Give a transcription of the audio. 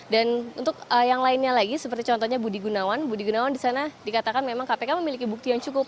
dan untuk yang lainnya lagi seperti contohnya budi gunawan budi gunawan di sana dikatakan memang kpk memiliki bukti yang cukup